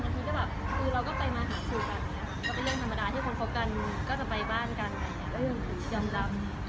บางทีก็แบบคือเราก็ไปมาหาสู่กันเนี่ยแล้วเป็นเรื่องธรรมดาที่คนพบกันก็จะไปบ้านกันอะไรอย่างเงี้ย